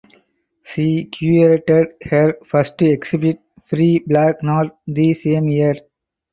She curated her first exhibit "Free Black North" the same year.